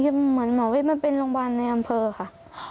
เหมือนหมอวิทย์มันเป็นโรงพยาบาลในอำเภอค่ะ